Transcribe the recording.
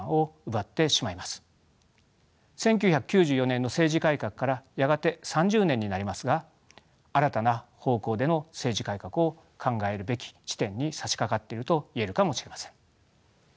１９９４年の政治改革からやがて３０年になりますが新たな方向での政治改革を考えるべき地点にさしかかっていると言えるかもしれません。